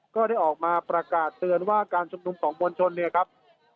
ก็ได้ออกมาประกาศเตือนว่าการชุมนุมของมวลชนเนี่ยครับ